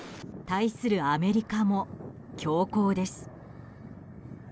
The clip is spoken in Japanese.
対するアメリカも強硬です。